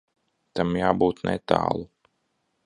Tam jābūt netālu.